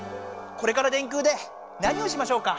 これから「電空」で何をしましょうか？